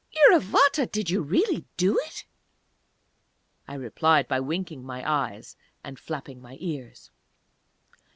"Iravata, did you really do it?" I replied by winking my eyes and flapping my ears.